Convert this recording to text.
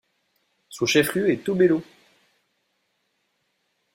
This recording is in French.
Son chef-lieu est Tobelo.